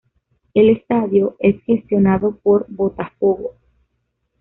El estadio es gestionado por Botafogo.